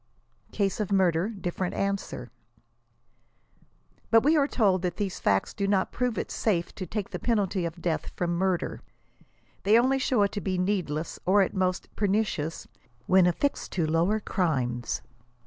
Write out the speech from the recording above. "CASE OF MURDER DIFFERENT." ANSWER. But we are told that these facts do not prove it safe to take the penalty of death from mvrder. They only show it to be needless, or, at most, pernicious, when affixed to lower crimes.